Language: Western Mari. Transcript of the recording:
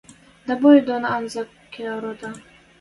Дӓ бой дон анзык кеӓ рота